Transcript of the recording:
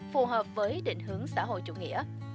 phù hợp với định hướng xã hội chủ nghĩa